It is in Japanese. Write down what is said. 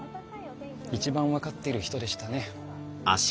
一番分かってる人でしたね。